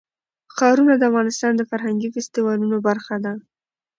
ښارونه د افغانستان د فرهنګي فستیوالونو برخه ده.